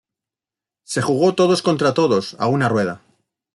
Se jugó todos contra todos, a una rueda.